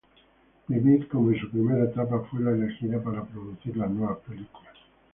Vivid, como en su primera etapa, fue la elegida para producir las nuevas películas.